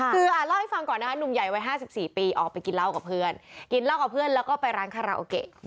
คือเล่าให้ฟังก่อนนะคะหนุ่มใหญ่วัย๕๔ปีออกไปกินเหล้ากับเพื่อนกินเหล้ากับเพื่อนแล้วก็ไปร้านคาราโอเกะ